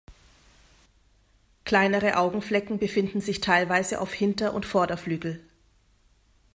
Kleinere Augenflecken befinden sich teilweise auf Hinter- und Vorderflügel.